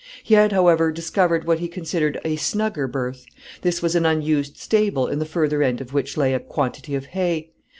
He had, however, discovered what he considered a snugger berth. This was an unused stable, in the further end of which lay a quantity of hay.